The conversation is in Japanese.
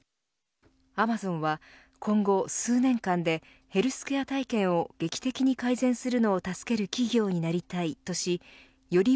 アマゾンは今後数年間でヘルスケア体験を劇的に改善するのを助ける企業になりたいとしより